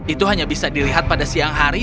itu hanya bisa dilihat pada siang hari